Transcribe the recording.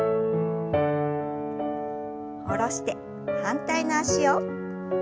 下ろして反対の脚を。